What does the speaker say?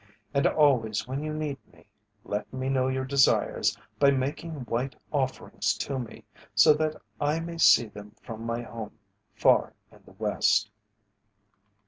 And always when you need me, let me know your desires by making white offerings to me, so that I may see them from my home far in the west."